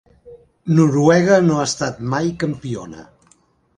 Noruega no ha estat mai campiona.